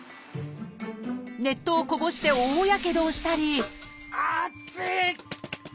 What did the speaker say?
熱湯をこぼして大やけどをしたり熱い！